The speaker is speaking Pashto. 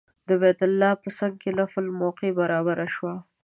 د بیت الله په څنګ کې نفل موقع برابره شوه.